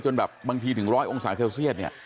จนแบบบางทีถึง๑๐๐องศาเซลเซียส